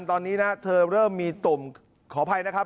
ตอนนี้นะเธอเริ่มมีตุ่มขออภัยนะครับ